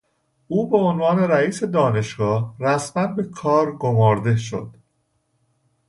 او به عنوان رییس دانشگاه رسما به کار گمارده شد.